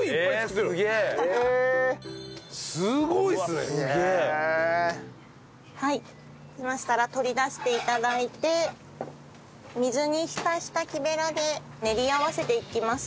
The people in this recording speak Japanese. そうしましたら取り出して頂いて水に浸した木ベラで練り合わせていきます。